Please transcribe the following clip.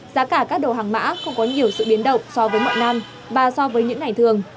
giá cả các đồ hàng mã không có nhiều sự biến động so với mọi năm và so với những ngày thường